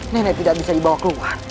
nenek tidak bisa dibawa keluar